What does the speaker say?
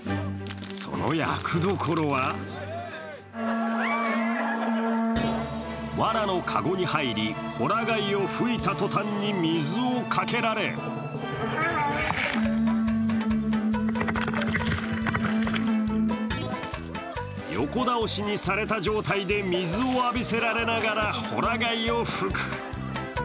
その役どころはわらのかごに入りホラ貝を吹いた途端に水をかけられ横倒しにされた状態で水を浴びさせられながらホラ貝を吹く。